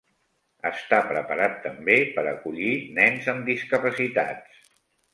Està preparat també per a acollir nens amb discapacitats.